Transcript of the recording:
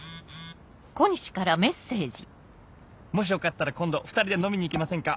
「もしよかったら今度ふたりで飲みに行きませんか？